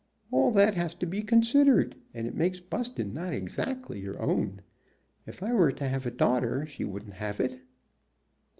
"All that has to be considered, and it makes Buston not exactly your own. If I were to have a daughter she wouldn't have it."